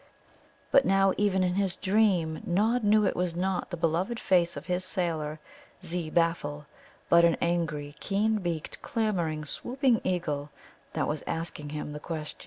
But now even in his dream Nod knew it was not the beloved face of his sailor Zbaffle, but an angry, keen beaked, clamouring, swooping Eagle that was asking him the question, "'E,' 'E,' 'E' what did 'E' do?"